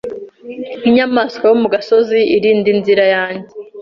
Nkinyamaswa yo mu gasozi irinda inzira yanjye